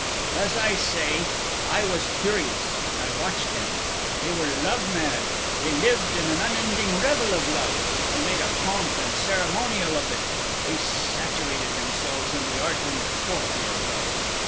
"As I say, I was curious, and I watched them. They were love mad. They lived in an unending revel of Love. They made a pomp and ceremonial of it. They saturated themselves in the art and poetry of Love.